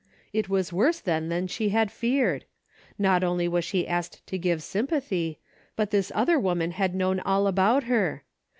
It was worse then than she had feared. E'ot only was she asked to give sympathy, but this other woman had known all about her.